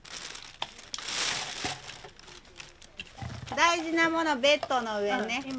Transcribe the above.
大事なものベッドの上ね。